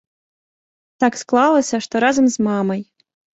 Так склалася, што разам з мамай.